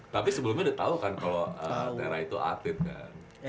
tapi sebelumnya udah tau kan kalo tera itu atlet kan